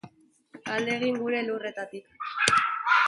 Alde egin gure lurretatik.